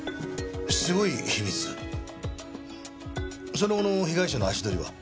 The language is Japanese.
その後の被害者の足取りは？